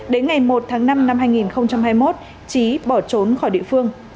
đến ngày một tháng năm năm hai nghìn hai mươi một trí bỏ trốn khỏi địa phương